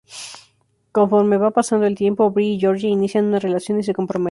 Conforme va pasando el tiempo, Bree y George inician una relación y se comprometen.